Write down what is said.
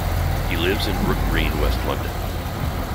He lives in Brook Green, West London.